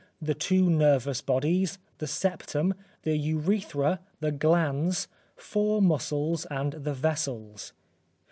the two nervous bodies, the septum, the urethra, the glans, four muscles and the vessels.